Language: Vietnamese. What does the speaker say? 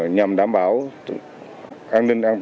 nhằm đảm bảo an ninh trật tự